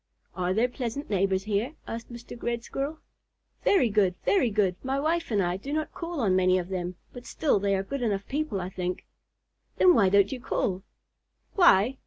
'" "Are there pleasant neighbors here?" asked Mr. Red Squirrel. "Very good, very good. My wife and I do not call on many of them, but still they are good enough people, I think." "Then why don't you call?" "Why?